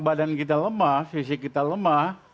badan kita lemah fisik kita lemah